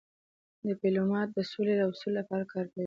ډيپلومات د سولي د راوستلو لپاره کار کوي.